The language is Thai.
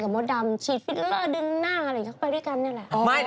ก็บอกอยากได้อะไรนะเธอก็จัดไปแล้วจัน